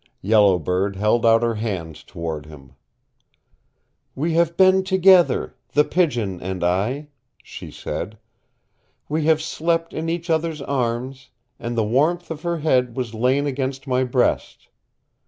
Yellow Bird held out her hands toward him. "We have been together, The Pigeon and I," she said. "We have slept in each other's arms, and the warmth of her head has lain against my breast.